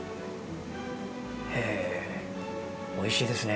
へえおいしいですね。